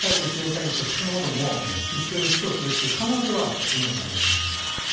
詐欺ともども一緒に起訴するという可能性はあると思います。